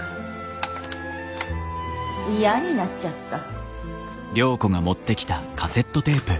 嫌になっちゃった。